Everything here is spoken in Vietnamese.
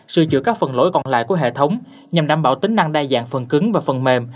sửa chữa các phần lỗi còn lại của hệ thống nhằm đảm bảo tính năng đa dạng phần cứng và phần mềm